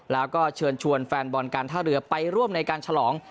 แล้วก็เชิญชวนแฟนบอลการท่าเรือไปร่วมในการฉลอง